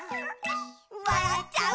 「わらっちゃう」